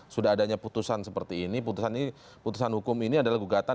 sudah adanya putusan seperti ini putusan ini putusan hukum ini adalah gugatan